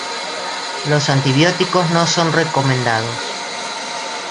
Los antibióticos no son recomendados.